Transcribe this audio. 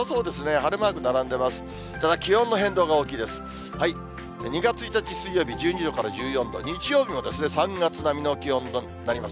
晴れマーク並んでます。